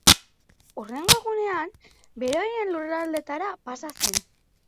Hurrengo egunean beroien lurraldeetara pasa zen.